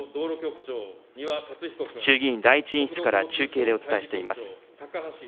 衆議院第１委員室から中継でお伝えしています。